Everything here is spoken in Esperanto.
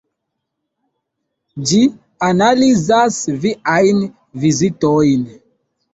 Ĝi analizas viajn vizitojn.